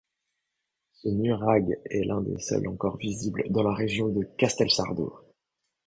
Ce nuraghe est l'un des seuls encore visibles dans la région de Castelsardo.